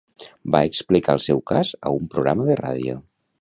Va explicar el seu cas a un programa de ràdio.